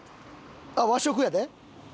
あっ和食やで。